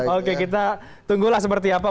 oke kita tunggulah seperti apa